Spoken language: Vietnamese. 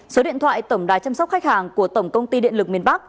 số điện thoại tổng đài chăm sóc khách hàng của tổng công ty điện lực miền bắc